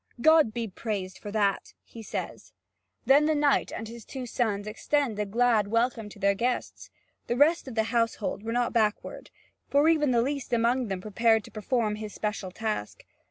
"God be praised for that," he says. Then the knight and his two sons extend a glad welcome to their guests. The rest of the household were not backward, for even the least among them prepared to perform his special task.